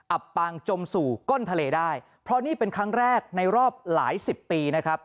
อับปางจมสู่ก้นทะเลได้เพราะนี่เป็นครั้งแรกในรอบหลายสิบปีนะครับ